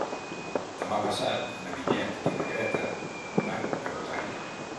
Demà passat na Vinyet i na Greta van a Godall.